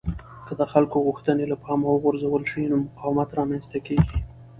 که د خلکو غوښتنې له پامه وغورځول شي نو مقاومت رامنځته کېږي